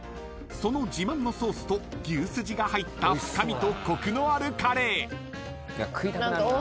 ［その自慢のソースと牛すじが入った深みとコクのあるカレー］